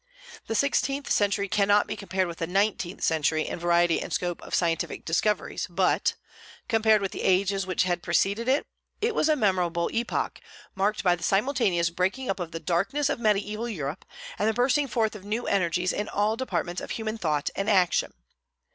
The sixteenth century cannot be compared with the nineteenth century in the variety and scope of scientific discoveries; but, compared with the ages which had preceded it, it was a memorable epoch, marked by the simultaneous breaking up of the darkness of mediaeval Europe, and the bursting forth of new energies in all departments of human thought and action.